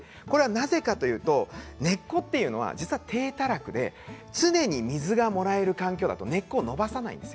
なぜかというと根っこというのは実は体たらくで常に水がもらえる環境がないと根っこを伸ばさないです。